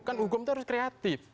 kan hukum itu harus kreatif